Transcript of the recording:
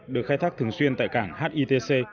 được khai thác thường xuyên tại cảng hitc